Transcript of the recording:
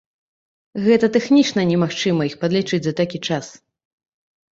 Гэта тэхнічна немагчыма іх падлічыць за такі час.